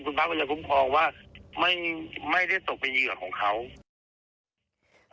คุณพักก็จะคุ้มครองว่าไม่ไม่ได้ตกเป็นเหยื่อของเขา